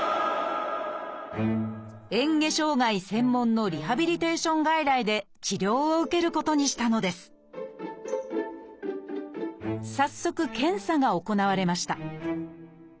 えん下障害専門のリハビリテーション外来で治療を受けることにしたのです早速検査が行われました